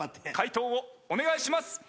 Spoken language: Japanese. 回答をお願いします。